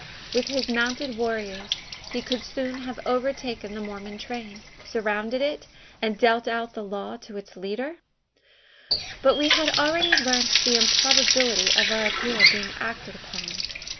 With his mounted warriors, he could soon have overtaken the Mormon train, surrounded it, and dealt out the law to its leader? But we had already learnt the improbability of our appeal being acted upon.